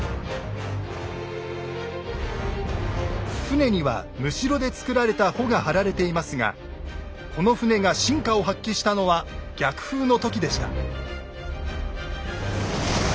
船にはむしろで作られた帆が張られていますがこの船が真価を発揮したのは逆風の時でした。